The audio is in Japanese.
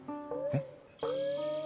えっ。